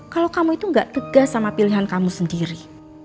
kalau kamu itu gak tegas sama pilihan kamu sendiri